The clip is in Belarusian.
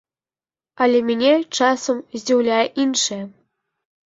Але мяне часам здзіўляе іншае.